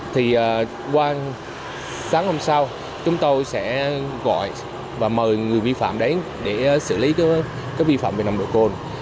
thì qua sáng hôm sau chúng tôi sẽ gọi và mời người vi phạm đến để xử lý cái vi phạm về nồng độ cồn